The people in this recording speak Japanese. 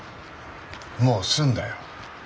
もう済んだよ。